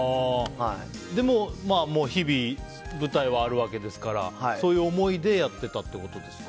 でも日々舞台はあるわけですからそういう思いでやってたってことですか。